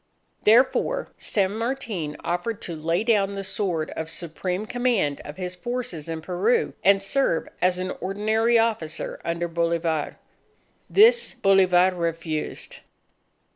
Therefore, San Martin offered to lay down the sword of supreme command of his forces in Peru, and serve as an ordinary officer under Bolivar. This Bolivar refused.